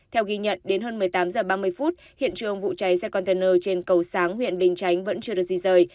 theo ghi nhận đến hơn một mươi tám h ba mươi phút hiện trường vụ cháy xe container trên cầu sáng huyện bình chánh vẫn chưa được di rời